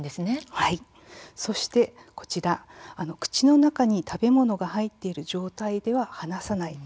そして、口の中に食べ物が入っている状態で話さない。